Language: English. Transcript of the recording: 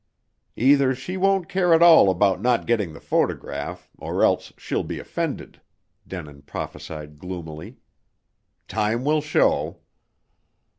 "Either she won't care at all about not getting the photograph, or else she'll be offended," Denin prophesied gloomily. "Time will show."